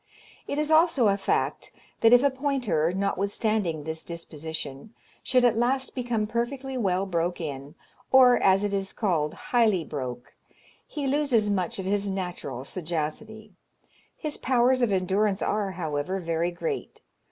It is also a fact, that if a pointer, notwithstanding this disposition, should at last become perfectly well broke in, or, as it is called, highly broke, he loses much of his natural sagacity. His powers of endurance are, however, very great.